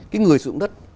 cái người sử dụng đất